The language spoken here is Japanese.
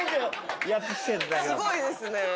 すごいですね。